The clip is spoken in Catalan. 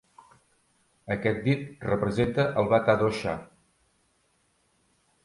Aquest dit representa el Vata dosha.